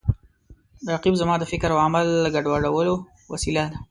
رقیب زما د فکر او عمل د ګډولو وسیله ده